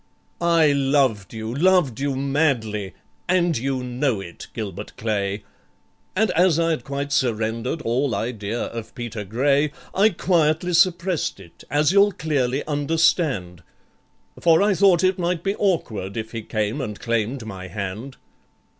"I loved you, loved you madly, and you know it, GILBERT CLAY, And as I'd quite surrendered all idea of PETER GRAY, I quietly suppressed it, as you'll clearly understand, For I thought it might be awkward if he came and claimed my hand.